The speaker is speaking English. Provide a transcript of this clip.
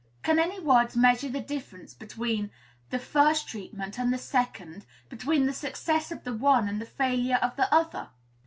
can any words measure the difference between the first treatment and the second? between the success of the one and the failure of the other?